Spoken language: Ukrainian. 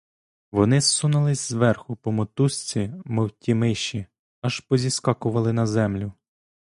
Вони зсунулися зверху по мотузці, мов ті миші, аж позіскакували на землю.